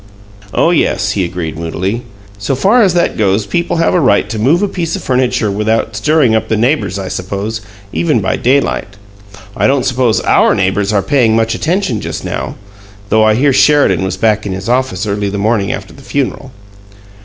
"Oh, yes," he agreed, moodily. "So far as that goes people have a right to move a piece of furniture without stirring up the neighbors, I suppose, even by daylight. I don't suppose OUR neighbors are paying much attention just now, though I hear Sheridan was back in his office early the morning after the funeral."